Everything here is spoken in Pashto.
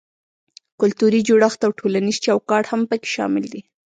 کلتوري جوړښت او ټولنیز چوکاټ هم پکې شامل دي.